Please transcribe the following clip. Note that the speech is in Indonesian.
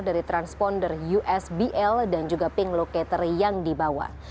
dari transponder usbl dan juga ping locator yang dibawa